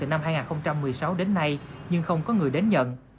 từ năm hai nghìn một mươi sáu đến nay nhưng không có người đến nhận